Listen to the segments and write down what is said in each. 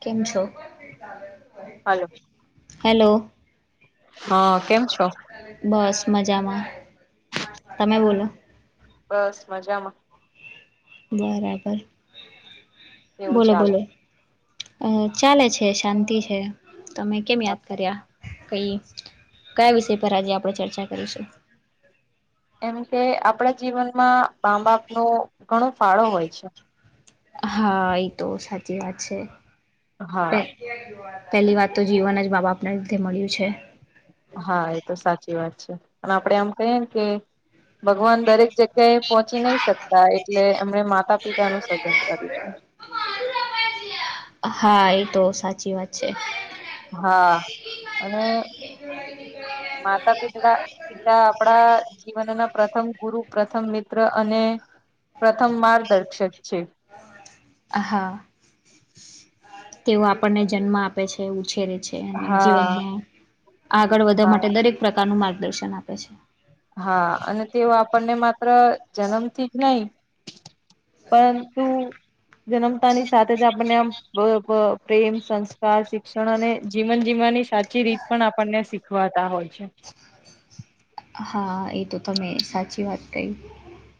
કેમ છો? Hello hello. હા કેમ છો? બસ મજામાં તમે બોલો બસ મજામાં. બરાબર કેવું બોલો ચાલે બોલો અ ચાલે છે, શાંતિ છે, તમે કેમ યાદ કર્યા? કઈ કયા વિષય પર આજે આપણેે ચર્ચા કરીશું. એમ કે આપણા જીવનમાં મામબપનો ઘણો ફાળો હોય છે હા એ તો સાચી વાત છે હા પહેલી વાત તો જીવન જ બા બાપને રીધે મળ્યું છે. હા એ તો સાચી વાત છે અને આપડે આમ કહીયેને કે ભગવાન દરેક જગ્યા એ પહોંચી નહી શકતા એટલે એમને માતા પિતા ન હા એ તો સાચી વાત છે હા અને [unintelligible] માતા પિતા પિતા આપણા જીવનના પ્રથમ ગુરુ પ્રથમ મિત્ર અને પ્રથમ માર્દર્શક છે હહા. તેઓ આપણને જન્મ આપે છે ઉછે રીતે હા જીવન આગળ વધવા માટે હા. દરેક પ્રકારનું માર્ગદર્શન આપે છે. હા અને તેઓ આપણને માત્ર જન્મથી જ નહી પરંતુ જન્મતાની સાથે જ આપને આમ બ પ્રેમ સંસ્કાર શિક્ષણ અને જીવન જીવવાની સાચી રીત પણ આપણને શીખવ વાતા હોય છે. [inaudible] હા એ તો તમે સાચી વાત કહી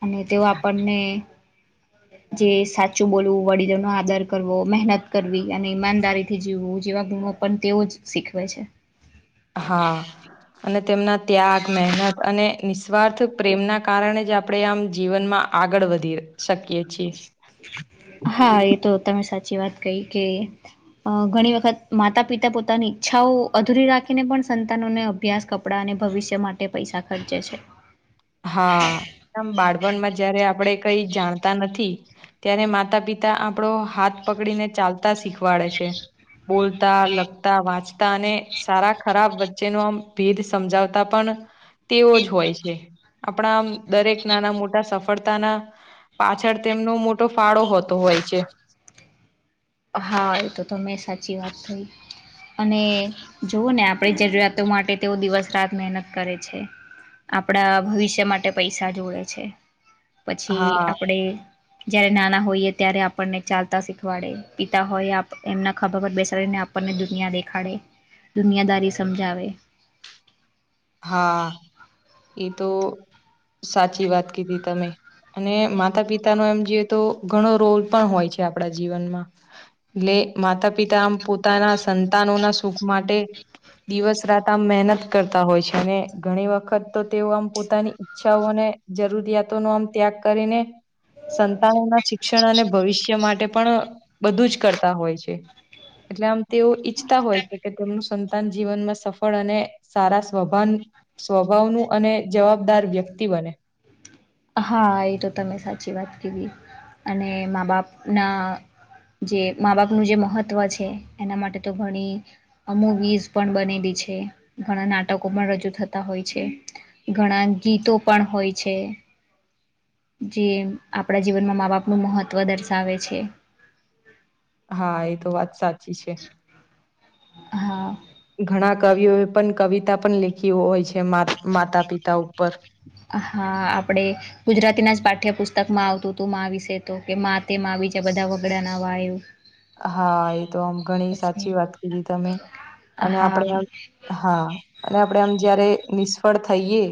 અને તેઓ આપણને જે સાચું બોલવું વડીલોનો આદર કરવો મહેનત કરવી અને ઈમાનદારી થી જીવું જેવા પણ તેઓ જ શીખવે છે. હા અને તેમના ત્યાગ મહેનત અને નિસ્વાર્થ પ્રેમના કારણે જ આપણે આમ જીવનમાં આગળ વધી શકીયએ છીએ. હા એ તો તમે સાચી વાત. ઘણી વખત માતા પિતા પોતાની ઈચ્છાઓ અધૂરી રાખીને પણ સંતાન અભ્યાસ કપડા અને ભવિષ્ય માટે પૈસા ખર્ચે છે. હા એદમ બાળપણમાં જયારે આપડ કઈ જાણતા નથી. ત્યારે માતા પિતા આપણો હાથ પકડીને ચાલતા શીખવાડે છે. બોલતા લખતા વાંચતા અને સારા ખરાબ વચ્ચેનો આમ ભેદ સમજાવતા પણ તેવો જ હોય છે. આપણામ દરેક નાના મોટા સફળતા ના પાછળ તેમનો મોટો ફાળો હોતો હોય છે. હા એ તો ત મેં સાચી વાત થઈ અને જોવ ને આપણી જરૂરિયાતો માટે તેઓ દિવસ રાત મહેનત કરે છે. આપડા ભવિષ્ય માટે પૈસા જોડે છે. પછી હા આપણેે જારે નાના હોઈએ ત્યારે આપણને ચાલતા શીખવાડે પિતા હોય એમના ખભર પર બેસાડીને આપણને દુનિયા દેખાડે દુનિયાદારી સમજાવે. હા એ તો સાચી વાત કીધી તમે. અને માતા પિતા નો એમ જઈએ. તો ઘણો રોલ પણ હોય છે. આપડા જીવનમાં એ માતા-પિતા આમ પોતાના સંતાનો ના સુખ માટે દિવસ રાત આમ મહેનત કરતા હોય છે. અને ઘણી વખત તો તેઓ આમ પોતાની ઈચ્છાઓને જરૂરિયાતો નો આમ ત્યાગ કરીને સંતાનોના શિક્ષણ અને ભવિષ્ય માટે પણ બધું જ કરતા હોય છે. એટલે આમ તેઓ ઈચ્છતા હોય છે. કે તેમનું સંતાન જીવનમાં સફળ અને સારા સ્વભાન સ્વભાવનું અને જવાબદાર વ્યક્તિ બને. હા એ તો તમે સાચી વાત કધી. અને મા બાપના જે મા બાપનું જે મહત્વ છે એના માટે તો ઘણી અમુવીઝ પણ બને. ઘણા નાટકો પણ રજૂ થતા હોય છે. ઘણા ગીતો પણ હોય છે. [unintelligible] જે આપણા જીવનમાં મા બાપનું મહત્વ દર્શાવે છે. હા એ તો વાત સાચી છે. હા. ઘણા કવિઓએ પણ કવિતા પણ લેખ હોય છે. માતા પિતા ઉપર આપ ગુજરાતી ના જ પાઠ્યપુસ્તક માં આવતું હતું. વિશે તો કે મા તે મા બીજા બધા વગડાના વા. ફઇવ હા એ તો આમ ઘણી સાચી વાત કીધી તમે. અને હા આપણેમ હા અને આપડ એમ જયારે નિષ્ફળ થઈએ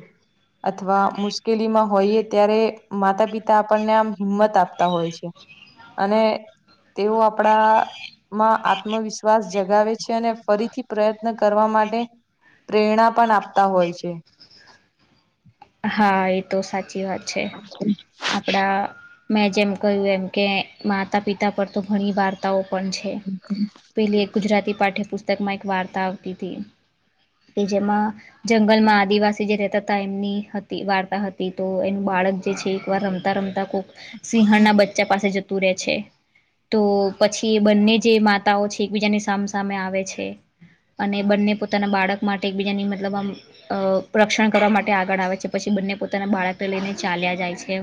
અથવા મુશ્કેલીમાં હોઈએ. ત્યારે માતા પિતા આપણને આમ હિંમત આપતા હોય છે. અને તેઓ આપડામાં આત્મવિશ્વાસ જગ લગાવે છે. અને ફરીથી પ્રયત્ન કરવા માટે પ્રેરણા પણ આપતા હોય છે. હા એ તો સાચી વાત છે. આપડા મેં જેમ કહ્યું એમ કે માતા-પિતા પર તો ઘણી વાર્તાઓ છે. પેલી એક ગુજરાતી પાઠ્યપુસ્તક માં એક વાર્તા આવતી હતી. કે જેમાં જંગલ માં આદિવાસી જે રહેેતા હતા. એમની હતી વાર્તા હતી તો એનું બાળક જે છે. એક વાર રમતા રમતા કોક સિંહણના બચ્ચા પાસે જ ઉતરે છે. તો પછી બંને જે માતાઓ છે. એકબીજાની સામસામે આવે છે. અને બંને પોતાના બાળક માટે એકબીજાની મતલબ આમ રક્ષણ કરવા માટે આગળ આવે છે. પછી બંને પોતાના બાળકને લઈને ચાલ્યા જાય છે.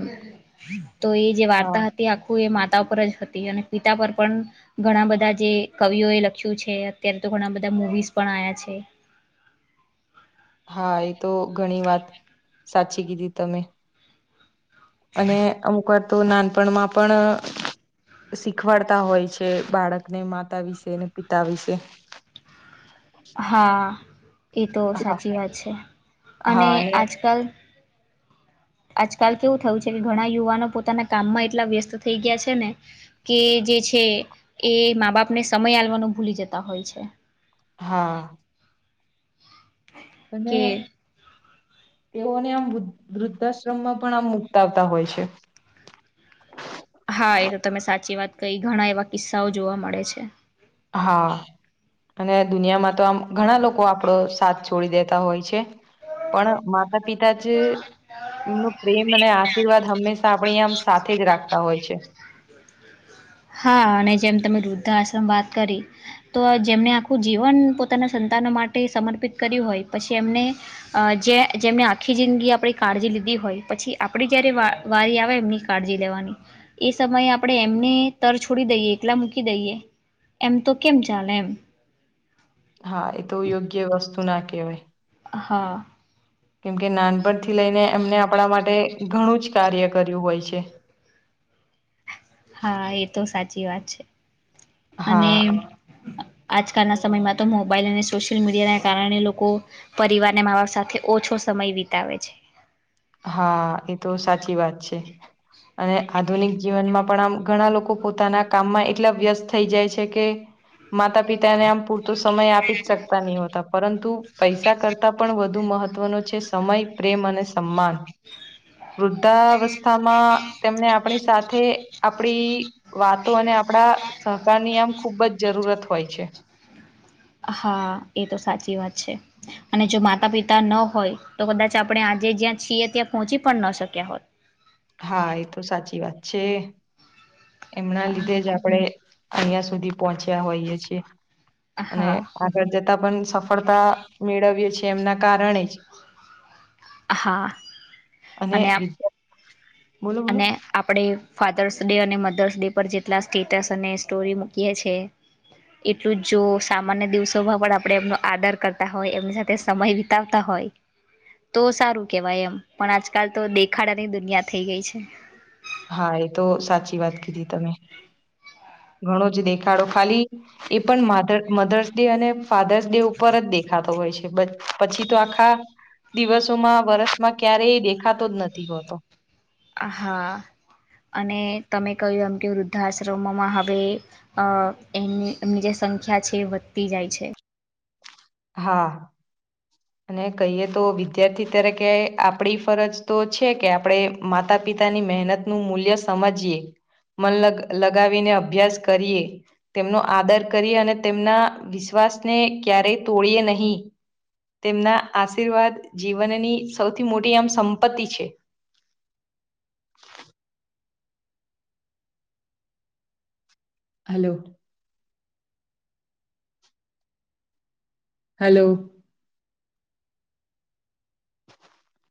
તો એ જે હા વાર્તા હતી આખું એ મા પિતા પર જ હતી. અને પિતા પર પણ ઘણા બધા જે કવિઓ એ લખ્યું છે. અત્યારે તો ઘણા બધા મુવીઝ પણ આવ્યા છે. હા એ તો ઘણી વાત સાચી કીધી તમે. અને અમુક વા તો નાનપણમાં પણ શીખવાડતા હોય છે. બાળકને માતા વિશે ને પિતા વિશે. હા એ તો હા સાચી વાત છે. અને આજકાલ આજકાલ કેવું થયું છે. કે ઘણા યુવાનો પોતાના કામમાં એટલા વ્યસ્ત થઈ ગયા છે. ને કે જે છે. એ મા બાપ ને સમયાલવાનો ભૂલી જતા હોય છે. હા. અને કે તેઓને આમ વૃદ્ધ વૃદ્ધાશ્રમમાં પણ આમ મુક્તવતા હોય છે હા એ તો તમે સાચી વાત કહી ઘણા એવા કિસ્સાઓ જોવા મળે છે હા અને દુનિયામાં તો આમ ઘણા લોકો આપડો સાથ છોડી દેતા હોય છે પણ માતા પિતા જે એમનો પ્રેમ અને આશીર્વાદ હંમેશા આપણીમ સાથે જ રાખતા હોય છે હા અને જેમ તમે વૃદ્ધા આશ્રમ વાત કરી તો જેમને આખું જીવન પોતાના સંતા માટે સમર્પિત કર્યું હોય પછી એમને અ જે જેમને આખી જિંદગી આપણી કાળજી લીધી હોય પછી આપે જયારે વવારી આવે એમની કાળજી લેવાની એ સમયે આપણે એમને તર છોડી દઈએ એકલા મૂકી દઈએ એમ તો કેમ ચાલે એમ હા એ તો યોગ્ય વસ્તુ ના કહેવાય હા કેમકે નાનપણથી લઈને એમને આપણા માટે ઘણું જ કાર્ય કર્યું હોય છે અ [inaudible] હા એતો સાચી વાત છે અને હા આજકાલના સમયમાં તો મોબાઈલ અને સોશિયલ મીડિયાના કારણે લોકો પરિવાર અને મા બાપ સાથે ઓછો સમય વિતાવે છે હા એ તો સાચી વાત છે અને આધુનિક જીવનમાં પણ આમ ઘણા લોકો પોતાના કામમાં એટલા વ્યસ્ત થઈ જાય છે કે માતા પિતાને આમ પૂરતો સમય આપી જ શકતા નહી હોતા પરંતુ પૈસા કરતા પણ વધુ વધુ મહત્વનો છે સમય પ્રેમ અને સમ્માન વૃદ્ધાવસ્થામાં તેમને આપણી સાથે આપડી વાતો અને આપડા સહકારની આમ ખુબ જ જરૂરત હોય છે હા એ તો સાચી વાત છે અને જો માતા પિતા ન હોય તો કદાચ આપણે આજ આજે જ્યાં છીએ ત્યાં પહોંચી પણ ન શક્યા હોત હા એતો સાચી વાત છે એમના લીધે જ આપડે અહીંયા સુધી પહોંચ્યા હોઈએ છીએ અને હા આગળ જતા પણ સફળતા મેળવીએે છીએ એમના કારણે જ હા અને બોલો બોલો અને આપડે ફાથર્સ ડે અને મધરસ ડે પર જેટલા સ્ટેટસ અને સ્ટોરી મૂકીય છે એટલું જો સામાન્ય દિવસોમાં પણ આપણે એમનો આદર કરતા હોય એમની સાથે સમય વિતાવતા હોય તો સારું કેવાય એમ પણ આજકાલ તો દેખાડાની દુનિયા થઈ ગઈ છે હા એ તો સાચી વાત કીધી તમે ઘણો જ દેખાડો ખાલી એ પણ માધર મધર્સ ડે અને ફાધર્સ ડે ઉપર જ દેખાતો હોય છે બ પછી તો આખા દિવસોમાં વરષમાં ક્યારેય દેખાતો જ નથી હોતો હા અને તમે કહ્યું એમ કે વૃદ્ધાશ્રમમાં હવે અ એમની એમની જે સંખ્યા છે એ વધતી જાય છે હા અને કહીએ તો વિદ્યાર્થી તરીકે આપડી ફરજ તો છે કે આપણે માતા પિતા પીતાની મહેનત નું મૂલ્ય સમજીએ મન લગાવીને અભ્યાસ કરીએ તેમનો આદર કરીએ અને તેમના વિશ્વાસ ને ક્યારેય તોડીએ નહીં હ [inaudible] તેમના આશીર્વાદ જીવનની સૌથી મોટી આમ સંપત્તિ છે [inaudible] હલો હલો